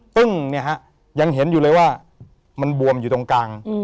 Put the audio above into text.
เนี่ยฮะยังเห็นอยู่เลยว่ามันบวมอยู่ตรงกลาง